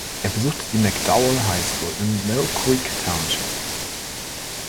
Er besuchte die McDowell High School in Millcreek Township.